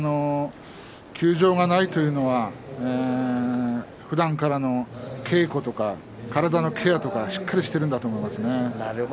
休場がないというのはふだんからの稽古とか体のケアとかをしっかりしているんだと思います。